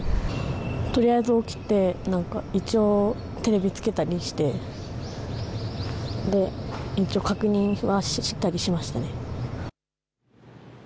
とりあえず起きて、一応、テレビつけたりして一応、確認はしっかりしました。